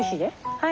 はい。